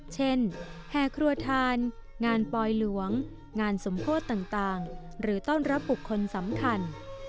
แห่ครัวทานงานปลอยหลวงงานสมโพธิต่างหรือต้อนรับบุคคลสำคัญ